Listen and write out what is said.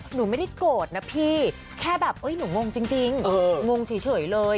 หนูไม่ได้โกรธนะพี่แค่แบบหนูงงจริงงงเฉยเลย